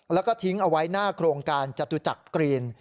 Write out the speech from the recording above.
แล้วก็ทิ้งเอาไว้หน้าโครงการจตุจักรกรีน